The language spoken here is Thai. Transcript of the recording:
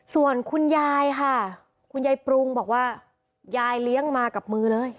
ส่วนคุณยายค่ะคุณยายปรุงบอกว่ายายเลี้ยงมากับมือเลย